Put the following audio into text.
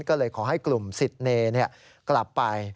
ก็เลยขอให้กลุ่มสิทธิเนกลับไป